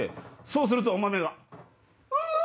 そうするとおまめが「ああ」。